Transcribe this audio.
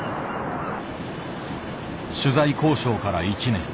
取材交渉から１年。